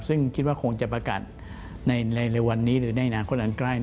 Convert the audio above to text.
ซึ่งคิดว่าคงจะประกาศในวันนี้หรือในอนาคตอันใกล้